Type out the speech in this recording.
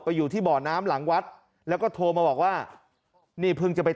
อยู่ที่บ่อน้ำหลังวัดแล้วก็โทรมาบอกว่านี่เพิ่งจะไป